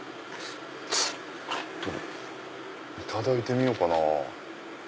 ちょっといただいてみようかな。